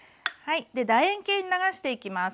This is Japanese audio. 楕円形に流していきます。